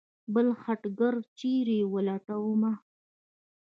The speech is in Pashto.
بل خټګر چېرې ولټومه.